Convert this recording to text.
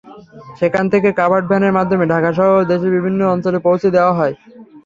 সেখান থেকে কাভার্ড ভ্যানের মাধ্যমে ঢাকাসহ দেশের বিভিন্ন অঞ্চলে পৌঁছে দেওয়া হয়।